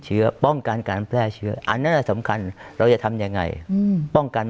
ป้องกันการแพร่เชื้ออันนั้นสำคัญเราจะทำยังไงป้องกัน